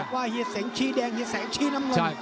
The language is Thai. ขวาเดรกน้ำลม